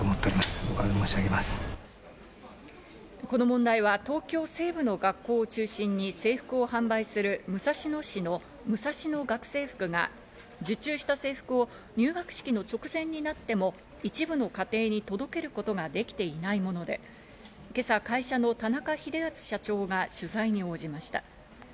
この問題は東京西部の学校を中心に制服を販売する武蔵野市のムサシノ学生服が受注した制服を入学式の直前になっても一部の家庭に届けることができていないもので、今朝会社の田中秀篤社長が取材に応じました。